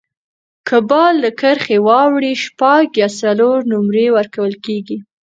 که بال له کرښي واوړي، شپږ یا څلور نومرې ورکول کیږي.